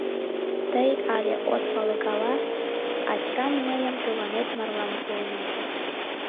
Тый але от пале гала, ачам мыйым тыланет марлан пуынеже.